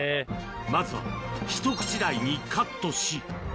まずは一口大にカットし。